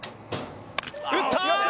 打った！